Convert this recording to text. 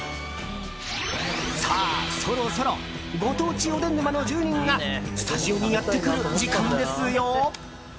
さあ、そろそろご当地おでん沼の住人がスタジオにやってくる時間ですよ。